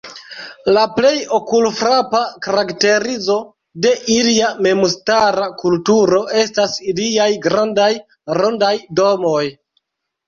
La plej okulfrapa karakterizo de ilia memstara kulturo estas iliaj grandaj, rondaj domoj.